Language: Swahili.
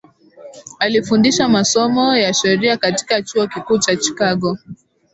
Alifundisha masomo ya sheria katika chuo kikuu cha Chicago